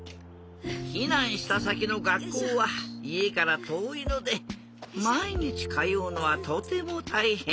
ひなんしたさきのがっこうはいえからとおいのでまいにちかようのはとてもたいへん。